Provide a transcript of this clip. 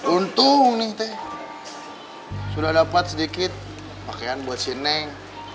untung nih teh sudah dapat sedikit pakaian buat sineng